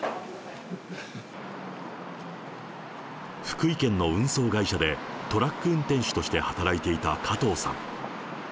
福井県の運送会社でトラック運転手として働いていた加藤さん。